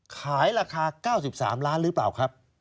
ขายราคา๙๓ล้านหรือเปล่าครับ